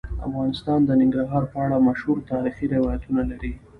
افغانستان د ننګرهار په اړه مشهور تاریخی روایتونه لري.